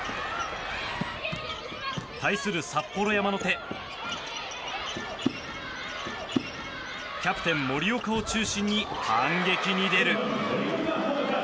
対する札幌山の手キャプテン、森岡を中心に反撃に出る。